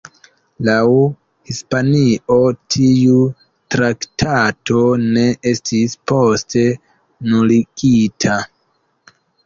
Laŭ Hispanio tiu traktato ne estis poste nuligita.